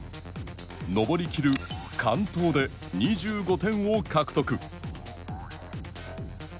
登り切る「完登」で２５点を獲得。